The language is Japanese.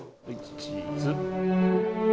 チーズ。